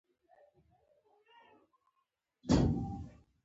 • لمر د شپې او ورځې دورې جوړوي.